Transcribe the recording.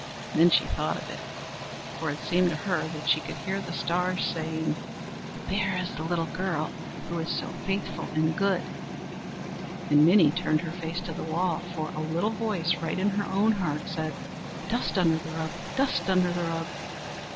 Then she thought of it, for it seemed to her that she could hear the stars saying: "There is the little girl who is so faithful and good"; and Minnie turned her face to the wall, for a little voice, right in her own heart, said: "Dust under the rug! dust under the rug!"